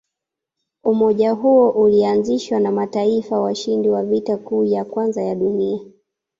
Umoja huo ulianzishwa na mataifa washindi wa Vita Kuu ya Kwanza ya Dunia.